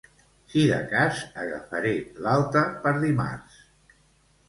Si de cas agafaré l'alta per dimarts